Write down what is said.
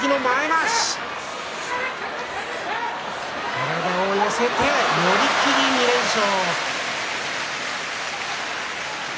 体を寄せて寄り切り２連勝。